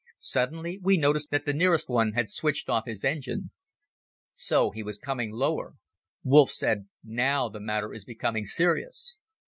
Suddenly we noticed that the nearest one had switched off his engine. So he was coming lower. Wolff said: "Now the matter is becoming serious."